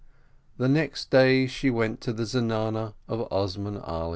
The next day she went to the zenana of Osman Ali.